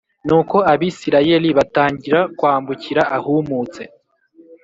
Nuko Abisirayeli batangira kwambukira ahumutse